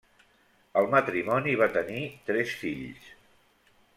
El matrimoni va tenir tres fills.